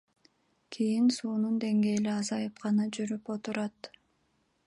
Кийин суунун деңгээли азайып гана жүрүп отурат.